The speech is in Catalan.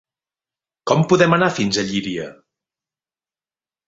Com podem anar fins a Llíria?